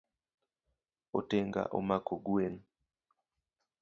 Otenga omako gwen